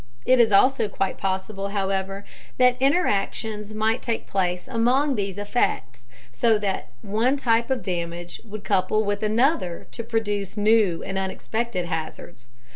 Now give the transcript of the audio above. It is also quite possible, however, that interactions might take place among these effects, so that one type of damage would couple with another to produce new and unexpected hazards.